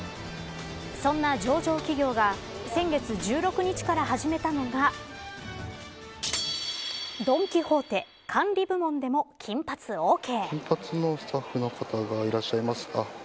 そんな上場企業が先月１６日から始めたのがドン・キホーテ管理部門でも金髪オーケー。